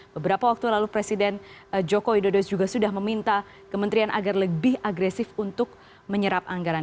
beberapa waktu lalu presiden joko widodo juga sudah meminta kementerian agar lebih agresif untuk menyerap anggaran